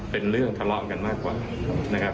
เป็นเรื่องทะเลาะกันมากกว่านะครับ